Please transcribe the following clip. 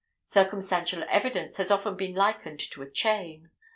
Circumstantial evidence has often been likened to a chain.